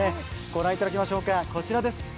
ご覧いただきましょうか、こちらです。